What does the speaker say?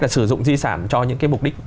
là sử dụng di sản cho những cái mục đích